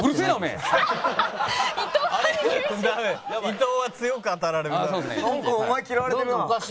伊藤は強く当たられるなあ。